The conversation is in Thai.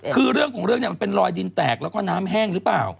คือเรื่องของเรื่องเนี่ยมันเป็นรอยดินแตกแล้วก็น้ำแห้งหรือเปล่า